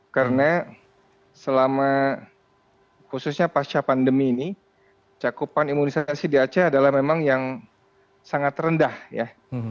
karena selama khususnya pasca pandemi ini cakupan imunisasi di aceh adalah memang yang sangat rendah ya